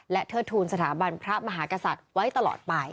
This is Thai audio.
เทิดทูลสถาบันพระมหากษัตริย์ไว้ตลอดไป